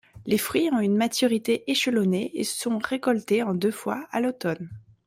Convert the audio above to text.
Les fruits ont une maturité échelonnée et sont récoltés en deux fois à l'automne.